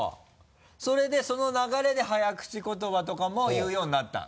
それでその流れで早口言葉とかも言うようになった？